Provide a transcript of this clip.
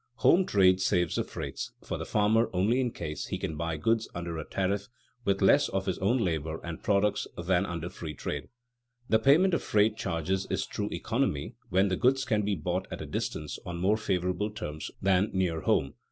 Home trade "saves the freights" for the farmer only in case he can buy goods under a tariff with less of his own labor and products than under free trade. The payment of freight charges is true economy when the goods can be bought at a distance on more favorable terms than near home.